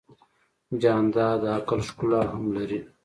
جانداد د عقل ښکلا هم لري.